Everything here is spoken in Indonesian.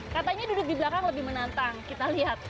katanya duduk di belakang lebih menantang kita lihat